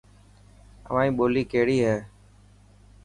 اوهائي ٻولي ڪهڙي هي.